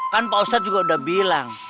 kan pak ustadz juga udah bilang